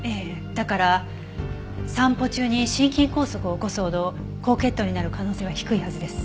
だから散歩中に心筋梗塞を起こすほど高血糖になる可能性は低いはずです。